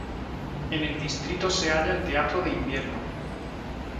En el distrito se halla el Teatro de Invierno.